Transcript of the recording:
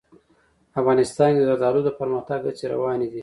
افغانستان کې د زردالو د پرمختګ هڅې روانې دي.